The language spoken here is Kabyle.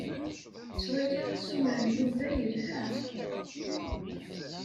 Ttwaliɣ assumer n Yuba yelha.